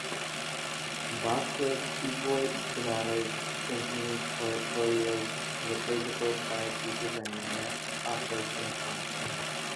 Bach wrote keyboard sonatas, symphonies, oratorios, liturgical choir pieces and motets, operas and songs.